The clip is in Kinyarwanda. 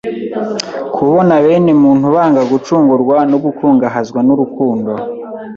kubona bene muntu banga gucungurwa no gukungahazwa n'urukundo